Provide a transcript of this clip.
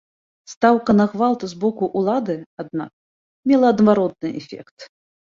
Стаўка на гвалт з боку ўлады, аднак, мела адваротны эфект.